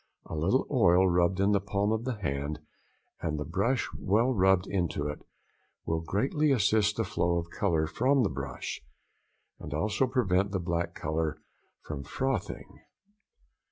A little oil rubbed in the palm of the hand, and the brush well rubbed into it, will greatly assist the flow of colour from the brush, and also prevent the black colour from frothing.